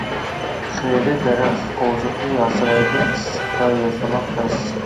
قېرى دەرەخ قوۋزىقى ھاسىرايدۇ ئىسسىقتا ياشىماق تەس.